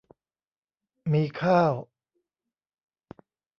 มีข้าว